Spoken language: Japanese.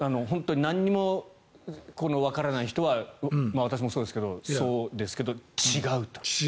本当に何もわからない人は私もそうですがそうですけど、違うと。